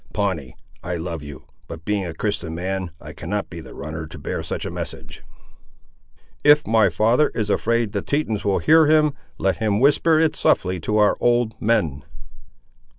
Pawnee, I love you; but being a Christian man, I cannot be the runner to bear such a message." "If my father is afraid the Tetons will hear him, let him whisper it softly to our old men."